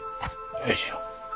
よいしょ。